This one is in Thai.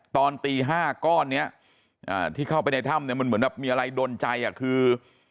ตอนตี๕ก้อนนี้ที่เข้าไปในถ้ำเนี่ยมันเหมือนแบบมีอะไรดนใจอ่ะคือ